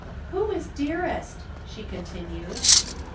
"'Who is "dearest"?' she continued.